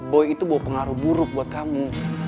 boy itu bawa pengaruh buruk buat kamu